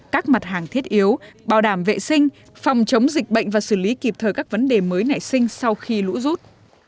các mặt hàng thiết yếu bảo đảm vệ sinh phòng chống dịch bệnh và xử lý kịp thời các vấn đề mới nảy sinh sau khi lũ rút